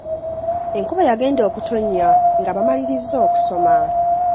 Enkuba yagenda okutonnya nga bamalirizza okusoma.